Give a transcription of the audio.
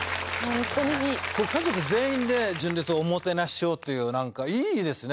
ホントにいい家族全員で「純烈」をおもてなししようという何かいいですね